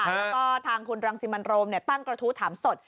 แล้วก็ทางคุณรังสิมันโรมตั้งกระทู้ถามสด